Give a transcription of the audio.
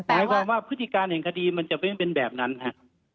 หมายความว่าพฤติการณ์ของคดีมันจะไม่มีเป็นแบบนั้นฮะ